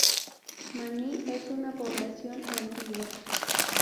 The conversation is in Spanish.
Maní es una población antigua.